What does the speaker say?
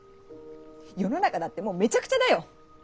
世の中だってもうめちゃくちゃだよ。